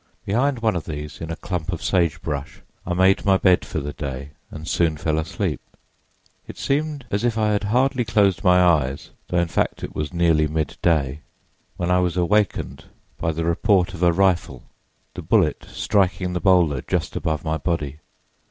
Behind one of these, in a clump of sage brush, I made my bed for the day, and soon fell asleep. It seemed as if I had hardly closed my eyes, though in fact it was near midday, when I was awakened by the report of a rifle, the bullet striking the bowlder just above my body.